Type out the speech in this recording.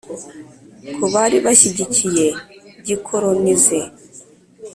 kubari bashyigikiye gikolonize,